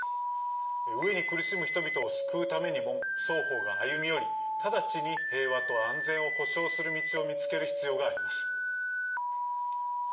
飢えに苦しむ人々を救うためにも双方が歩み寄り直ちに平和と安全を保障する道を見つける必要があります。